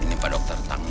ini pak dokter retaknya